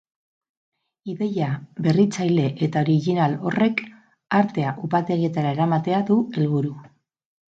Ideia berritzaile eta original horrek artea upategietara eramatea du helburu.